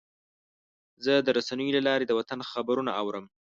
زه د رسنیو له لارې د وطن خبرونه اورم.